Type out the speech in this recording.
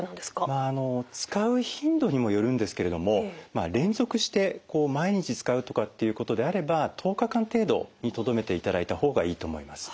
まあ使う頻度にもよるんですけれども連続して毎日使うとかっていうことであれば１０日間程度にとどめていただいた方がいいと思います。